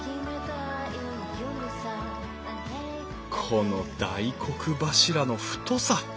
この大黒柱の太さ。